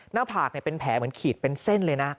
หน้าผากเป็นแผลเหมือนขีดเป็นเส้นเลยนะ